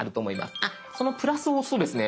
そのプラスを押すとですね